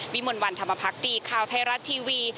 วิมวลวันธรรมพักษ์ดีข่าวไทยรัฐทีวี